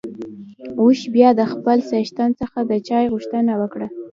اوښ بيا د خپل څښتن څخه د چای غوښتنه وکړه.